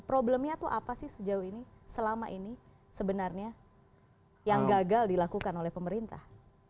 problemnya itu apa sih sejauh ini selama ini sebenarnya yang gagal dilakukan oleh pemerintah